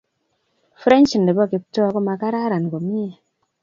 French nebo Kiptoo komakararan komnye